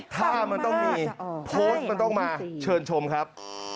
ถ้ามันต้องมีโพสต์มันต้องมาเชิญชมครับ